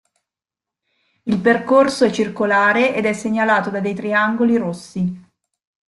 Il percorso è circolare ed è segnalato da dei triangoli rossi.